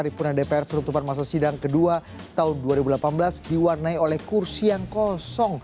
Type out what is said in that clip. paripurna dpr penutupan masa sidang kedua tahun dua ribu delapan belas diwarnai oleh kursi yang kosong